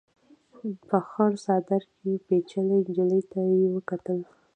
په خړ څادر کې پيچلې نجلۍ ته يې وکتل.